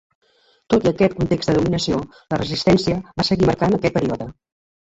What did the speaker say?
Tot i aquest context de dominació, la resistència va seguir marcant aquest període.